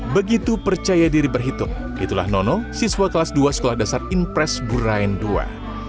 begitu percaya diri berhitung itulah nono siswa kelas dua sekolah dasar impres burain ii